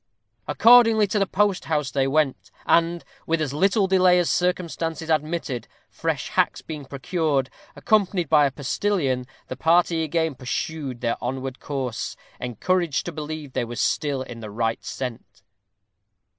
Accordingly to the post house they went; and, with as little delay as circumstances admitted, fresh hacks being procured, accompanied by a postilion, the party again pursued their onward course, encouraged to believe they were still in the right scent.